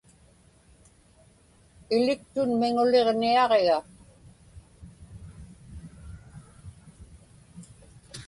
Iliktun miŋuliġniaġiga.